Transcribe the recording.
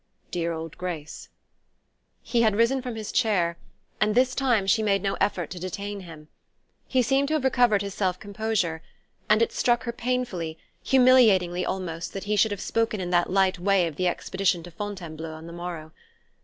"Dear old Grace!" He had risen from his chair, and this time she made no effort to detain him. He seemed to have recovered his self composure, and it struck her painfully, humiliatingly almost, that he should have spoken in that light way of the expedition to Fontainebleau on the morrow....